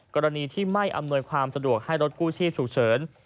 กรณีที่ไม่อำนวยความสะดวกให้รถกู้ชีพฉุกเฉิน